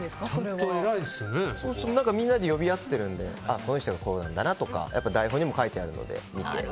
みんなで呼び合っているのでこの人がこうなんだなとか台本にも書いてあるので。